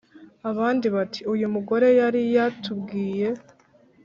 Abandi bati: "Uyu mugore yari yatubwiye,